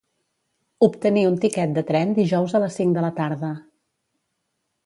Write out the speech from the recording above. Obtenir un tiquet de tren dijous a les cinc de la tarda.